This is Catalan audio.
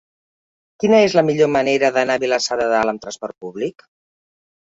Quina és la millor manera d'anar a Vilassar de Dalt amb trasport públic?